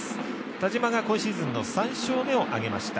田嶋が今シーズンの３勝目を挙げました。